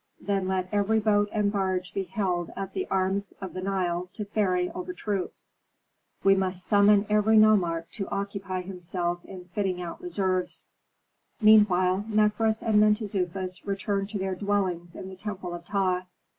"Then let every boat and barge be held at the arms of the Nile to ferry over troops. We must summon every nomarch to occupy himself in fitting out reserves." Meanwhile Mefres and Mentezufis returned to their dwellings in the temple of Ptah.